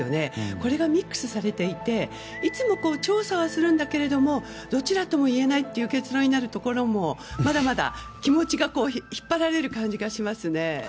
これがミックスされていていつも調査はするんだけどどちらともいえないという結論になるところもまだまだ、気持ちが引っ張られる感じがします。